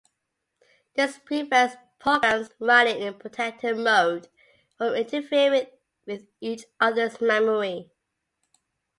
This prevents programs running in protected mode from interfering with each other's memory.